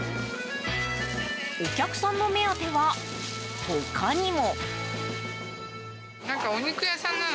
お客さんの目当ては他にも。